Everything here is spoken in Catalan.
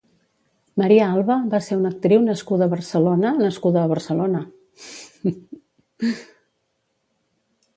Maria Alba va ser una actriu nascuda a Barcelona nascuda a Barcelona.